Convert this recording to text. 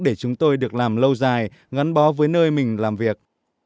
để chúng tôi được làm lâu dài gắn bó với nơi mình làm việc